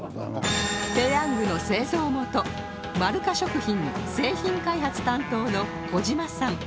ペヤングの製造元まるか食品製品開発担当の小島さん